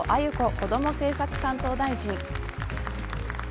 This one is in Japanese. こども政策大臣。